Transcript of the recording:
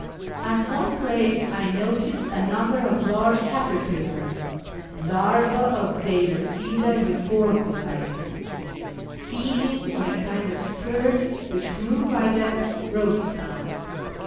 At one place I noticed a number of large caterpillars (larvaa of Deilephila Euphorbise, I think), feeding on a kind of spurge which grew by the roadside.